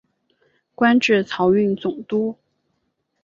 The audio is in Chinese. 官至漕运总督。